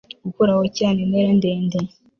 Gukuraho cyane intera ndende